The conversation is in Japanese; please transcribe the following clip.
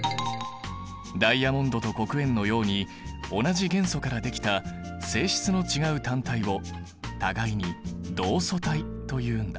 ダイヤモンドと黒鉛のように同じ元素からできた性質の違う単体を互いに同素体というんだ。